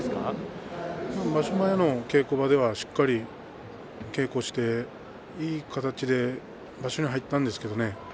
前の稽古場ではしっかり稽古していい形で場所に入ったんですけどね。